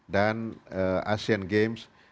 dan asean games